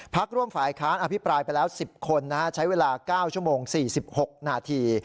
ร่วมฝ่ายค้านอภิปรายไปแล้ว๑๐คนใช้เวลา๙ชั่วโมง๔๖นาที